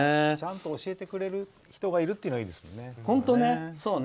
ちゃんと教えてくれる人がいるって言うのがいいですよね。